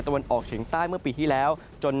วันออกเฉียงใต้เมื่อปีที่แล้วจน